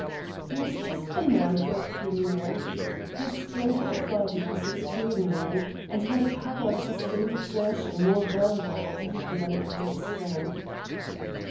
He was just the man for a pioneer. His strength of body was extraordinary, and he had a power of sustained exertion more valuable even than great strength.